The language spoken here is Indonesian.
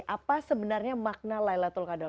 apa sebenarnya makna laylatul qadar